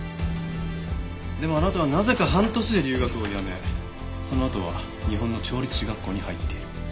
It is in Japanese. でもあなたはなぜか半年で留学をやめそのあとは日本の調律師学校に入っている。